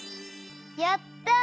やった！